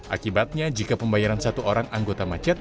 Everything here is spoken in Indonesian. akibatnya jika pembayaran satu orang anggota macet